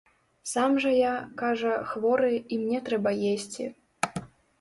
Сам жа я, кажа, хворы, і мне трэба есці.